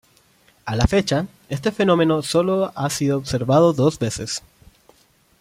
A la fecha, este fenómeno sólo ha sido observado dos veces.